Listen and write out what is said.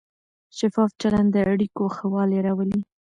شفاف چلند د اړیکو ښه والی راولي.